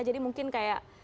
jadi mungkin kayak